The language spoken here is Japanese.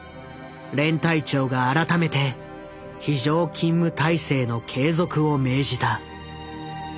連隊長が改めて非常勤務態勢の継続を命じた。